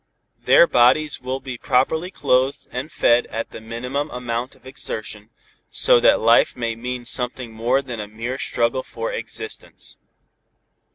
Their bodies will be properly clothed and fed at the minimum amount of exertion, so that life may mean something more than a mere struggle for existence.